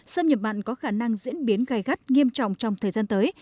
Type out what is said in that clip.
xâm nhập mặn có khả năng diễn biến gai gắt nghiêm trọng trong thời gian tới